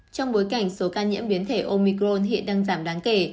trong bối cảnh số ca nhiễm biến thể omicron hiện đang giảm đáng kể